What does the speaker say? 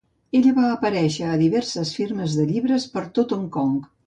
Ella va aparèixer a diverses firmes de llibres per tot Hong Kong.